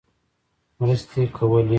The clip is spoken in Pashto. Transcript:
مرستې کولې.